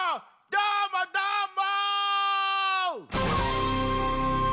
どーもどーも！